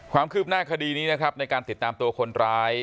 ความคืบหน้าคดีนี้นะครับในการติดตามตัวคนร้าย